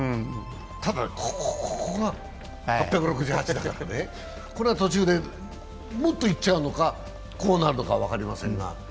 ただ、ここが８６８だから、これは途中で、もっといっちゃうのか、下がるのか分かりませんが。